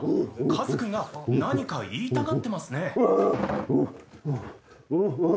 カズ君が何か言いたがってますね・ウゥ！